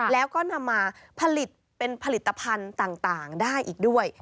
แล้วก็นำมาผลิตเป็นผลิตภัณฑ์ต่างได้อีกด้วย